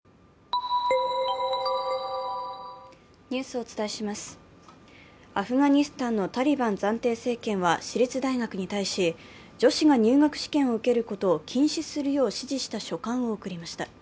あなたもアフガニスタンのタリバン暫定政権は私立大学に対し、女子が入学試験を受けることを禁止するよう指示した書簡を送りました。